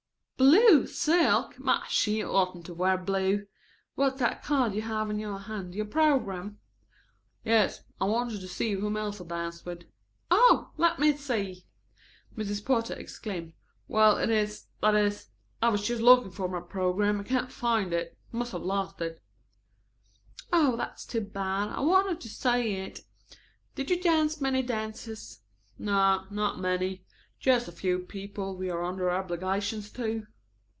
"Blue silk! My, she oughtn't to wear blue. What's that card you have in your hand, your program?" "Yes, I wanted to see whom else I danced with." "Oh, let me see," Mrs. Porter exclaimed. "Well, it is that is, I was just looking for my program. I can't find it. I must have lost it." "Oh, that is too bad. I wanted to see it. Did you dance many dances?" "No, not many. Just a few people we are under obligations to."